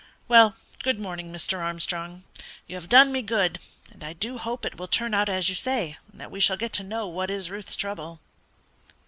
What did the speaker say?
Well, good morning, Mr. Armstrong; you have done me good, and I do hope it will turn out as you say, and that we shall get to know what is Ruth's trouble."